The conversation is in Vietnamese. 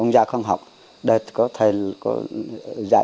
đã được mở tại đây